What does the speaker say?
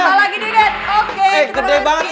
gampang lagi deh daff oke kita mulai dari segitar